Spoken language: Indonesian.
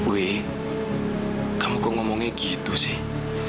wih kamu kok ngomongnya gitu sih